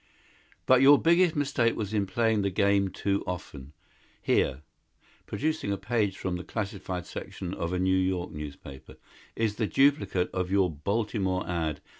"But your biggest mistake was in playing the game too often. Here" producing a page from the classified section of a New York newspaper "is the duplicate of your Baltimore ad.